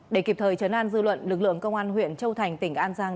để kịp thời chấn an dư luận lực lượng công an huyện châu thành tỉnh an giang